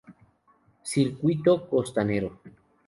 Circuito Costanero.